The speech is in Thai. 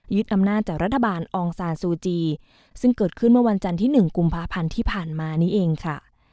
อำนาจจากรัฐบาลอองซานซูจีซึ่งเกิดขึ้นเมื่อวันจันทร์ที่๑กุมภาพันธ์ที่ผ่านมานี้เองค่ะ